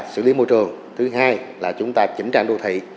xử lý môi trường thứ hai là chúng ta chỉnh trang đô thị